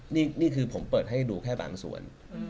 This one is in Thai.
นี่คือผมเปิดให้ดูแค่บางส่วน